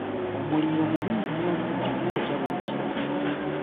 Omuliro mubi nnyo nti gwokya buli kiramu.